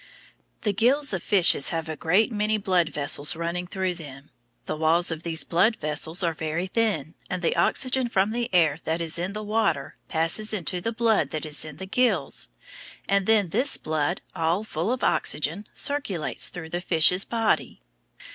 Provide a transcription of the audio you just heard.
The gills of fishes have a great many blood vessels running through them. The walls of these blood vessels are very thin, and the oxygen from the air that is in the water passes into the blood that is in the gills, and then this blood, all full of oxygen, circulates through the fish's body.